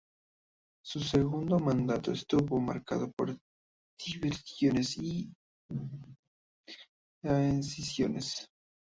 Su segundo mandato estuvo marcado por divisiones y escisiones.